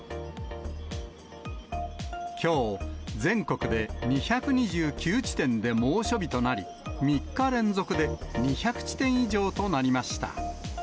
きょう、全国で２２９地点で猛暑日となり、３日連続で２００地点以上となりました。